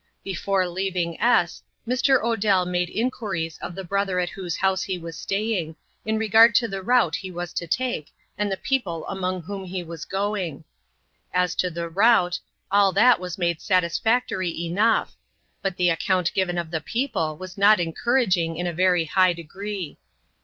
Before leaving S , Mr. Odell made inquiries of the brother at whose house he was staying, in regard to the route he was to take, and the people among whom he was going. As to the route, all that was made satisfactory enough; but the account given of the people was not encouraging in a very high degree.